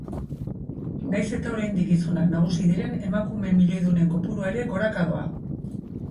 Nahiz eta oraindik gizonak nagusi diren, emakume milioidunen kopurua ere goraka doa.